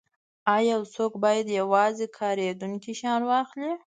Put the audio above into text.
ایا یو څوک باید یوازې کاریدونکي شیان واخلي